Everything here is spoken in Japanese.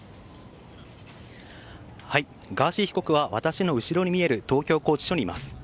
ガーシー被告は私の後ろに見える東京拘置所にいます。